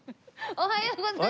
おはようございます。